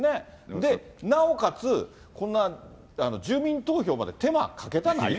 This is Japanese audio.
で、なおかつ、こんな住民投票まで手間かけたないよね。